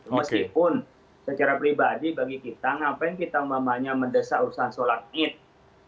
meskipun secara pribadi bagi kita ngapain kita mendesak urusan sholat id